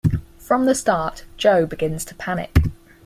From the start, Joe begins to panic.